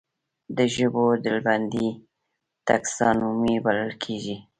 د ژویو ډلبندي ټکسانومي بلل کیږي